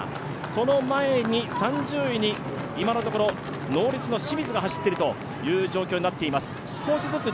その前に３０位に今のところノーリツの清水が走っている状況です。